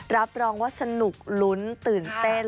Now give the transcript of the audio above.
รับรองว่าสนุกลุ้นตื่นเต้น